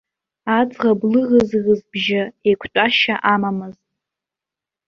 Аӡӷаб лыӷызы-ӷызыбжьы еиқәтәашьа амамызт.